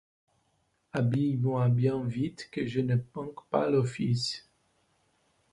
Habille-moi bien vite que je ne manque pas l’office.